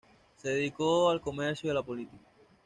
Se dedicó al comercio y la política.